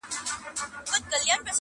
ویل راسه پر لېوه پوښتنه وکه.!